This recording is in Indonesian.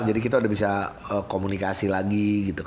jadi kita udah bisa komunikasi lagi